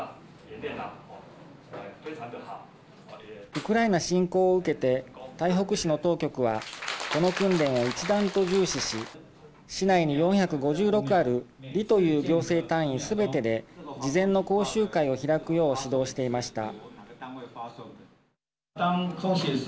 ウクライナ侵攻を受けて台北市の当局はこの訓練を一段と重視し市内に４５６ある里という行政単位すべてで事前の講習会を開くよう指導していました。